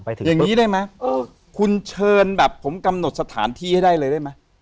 อย่างนี้ได้ไหมคุณเชิญแบบผมกำหนดสถานที่ให้ได้เลยได้ไหม